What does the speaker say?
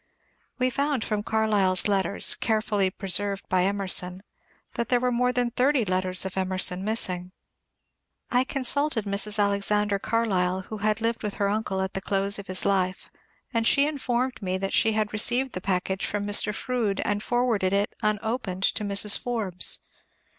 We found from Carlyle's letters, carefully pre served by Emerson, that there were more than thirty letters of Emerson missing. I consulted Mrs. Alexander Carlyle, who had lived with her uncle at the close of his life, and she informed me that she had received the package from Mr. Froude and forwarded it unopened to Mrs. Forbes.